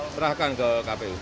serahkan ke kpu